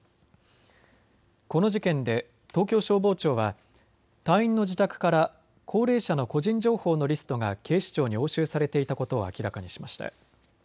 この事件で東京消防庁は隊員の自宅から高齢者の個人情報のリストが警視庁に押収されていたことを明らかにしました。